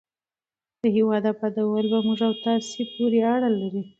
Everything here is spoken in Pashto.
د هېواد ابادول په موږ او تاسو پورې اړه لري.